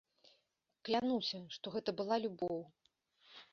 Клянуся, што гэта была любоў.